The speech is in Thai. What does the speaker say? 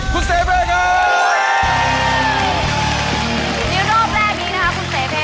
คุณเสเพได้หมวกลูกเสือ